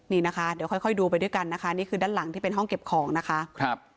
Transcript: นี่นะคะเดี๋ยวค่อยดูไปด้วยกันนะคะนี่คือด้านหลังที่เป็นห้องเก็บของนะคะครับ